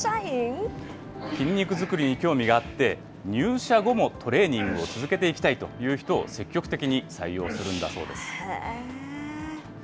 筋肉作りに興味があって、入社後もトレーニングを続けていきたいという人を、積極的に採用するんだそうです。